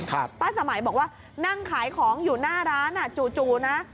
ป้าสมัยบอกว่านั่งขายของอยู่หน้าร้านอ่ะจู่นะ